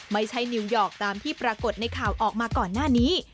นิวยอร์กตามที่ปรากฏในข่าวออกมาก่อนหน้านี้